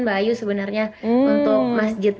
mbak ayu sebenarnya untuk masjid